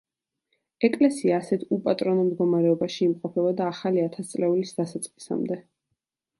ეკლესია ასეთ, უპატრონო მდგომარეობაში იმყოფებოდა ახალი ათასწლეულის დასაწყისამდე.